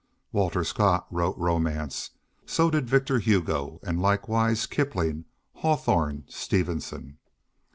Walter Scott wrote romance; so did Victor Hugo; and likewise Kipling, Hawthorne, Stevenson.